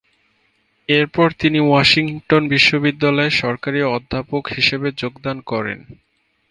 এরপর তিনি ওয়াশিংটন বিশ্ববিদ্যালয়ে সহকারী অধ্যাপক হিসেবে যোগদান করেন।